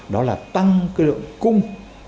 đó là tăng cái lượng cung